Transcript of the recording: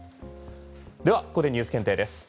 では、ここでニュース検定です。